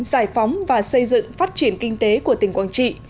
giải phóng và xây dựng phát triển kinh tế của tỉnh quảng trị